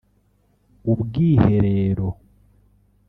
ubwiherero